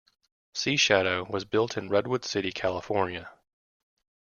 "Sea Shadow" was built in Redwood City, California.